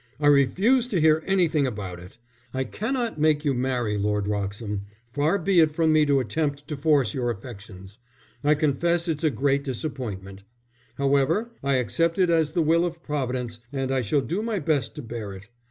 "I refuse to hear anything about it. I cannot make you marry Lord Wroxham. Far be it from me to attempt to force your affections. I confess it's a great disappointment; however, I accept it as the will of Providence and I shall do my best to bear it.